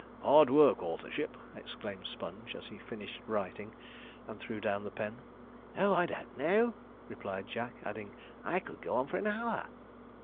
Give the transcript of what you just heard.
'Hard work, authorship!' exclaimed Sponge, as he finished writing, and threw down the pen. 'Oh, I don't know,' replied Jack, adding, 'I could go on for an hour.'